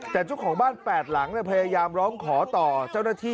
แต่เจ้าของบ้าน๘หลังพยายามร้องขอต่อเจ้าหน้าที่